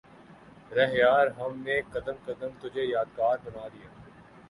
رہ یار ہم نے قدم قدم تجھے یادگار بنا دیا